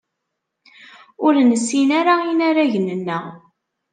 Ur nessin ara inaragen-nneɣ.